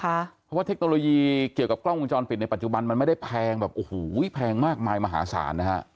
เพราะว่าเทคโนโลยีเกี่ยวกับกล้องวงจรปิดในปัจจุบันมันไม่ได้แพงแบบโอ้โหแพงมากมายมหาศาลนะฮะ